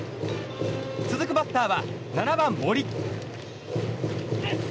続くバッターは７番、森。